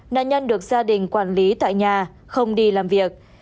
nạn nhân được gia đình quản lý tại nhà không đi làm việc